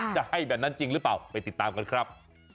จะให้แบบนั้นจริงหรือเปล่าไปติดตามกันครับ